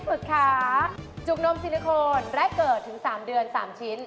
ต้องแพงกว่า๒๙บาทนะคะ